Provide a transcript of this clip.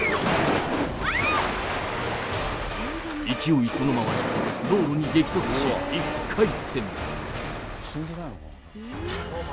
勢いそのままに道路に激突し、一回転。